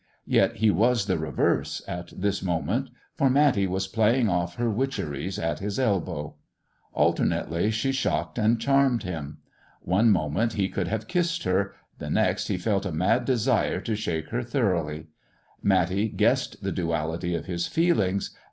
Yet he was the reverse at this moment, for Matty was playing ofi her witcheries at bis elbow. Alternately she shocked and charmed him. One moment he could have kissed ber, the next he felt a mad desire to shake her thorongbly. Matty guessed the duality of his feelings.